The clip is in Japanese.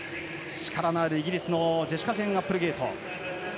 力のあるイギリスのジェシカジェーン・アップルゲイト。